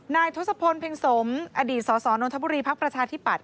ทศพลเพ็งสมอดีตสสนนทบุรีพักประชาธิปัตย